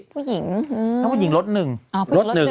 ผู้หญิงอืมน้ำผู้หญิงรถหนึ่งพุทธรถหนึ่ง